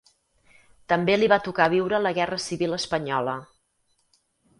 També li va tocar viure la Guerra Civil espanyola.